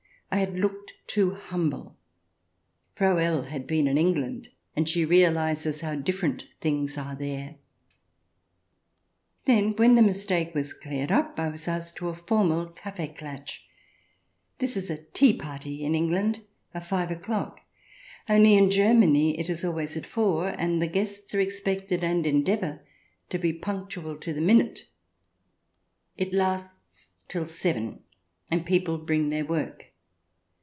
I had looked too humble. Frau L had been in England, and she realize show different things are there. CH. Ill] SLEEPY HOLLOW 37 Then, when the mistake was cleared up, I was asked to a formal Kaifee Klatch. This is a tea party in England — a five o'clock — only in Germany it is always at four, and the guests are expected — and endeavour — to be punctual to the minute. It lasts till seven, and people bring their work.